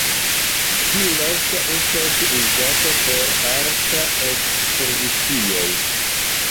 Tiu lasta estas uzata por artaj ekspozicioj.